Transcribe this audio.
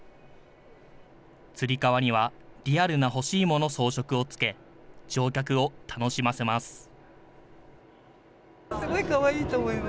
つり革にはリアルなほしいもの装飾をつけ、乗客を楽しませます。